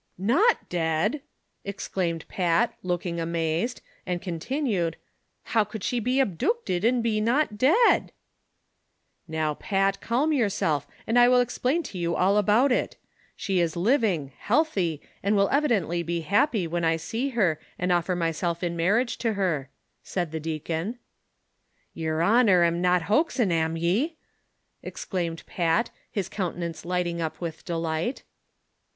"Not dead !" exclaimed Pat, looking amazed, and con tinued, " how could she be abdoocted, an" be not dead V " "Now, Pat, calm yourself, and I will explain to you all about it ; she is living, healthy and will evidently be happy when I shall see her and offer myself in marriage to her," said the deacon. "Yer honor am not hoaxin', am ye? "exclaimed Pat, his countenance lighting up with delight.